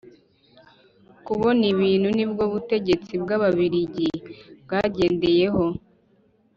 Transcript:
Kubona ibintu ni bwo ubutegetsi bw ababirigi bwagendeyeho